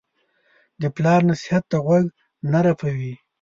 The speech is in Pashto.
د پلار نصیحت ته غوږ نه رپوي.